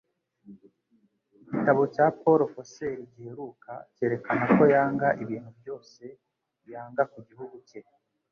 Igitabo cya Paul Fussell giheruka cyerekana ko yanga ibintu byose yanga ku gihugu cye